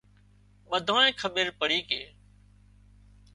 ٻۮانئين کٻير پڙي ڪي